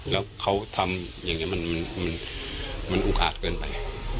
แล้วเขาทำอย่างนี้มันอุกอาจเกินไป